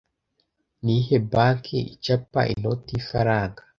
Niyihe banki icapa inoti yifaranga